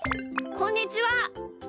こんにちは。